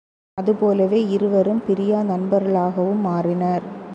அதுபோலவே இருவரும் பிரியா நண்பர்களாகவும் மாறினர்.